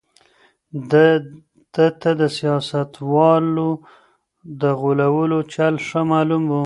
ده ته د سياستوالو د غولولو چل ښه معلوم و.